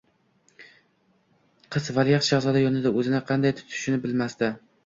Qiz valiahd shahzoda yonida o‘zini qanday tutishni bilmasdi